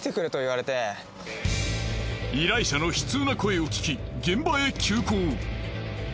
依頼者の悲痛な声を聞き現場へ急行。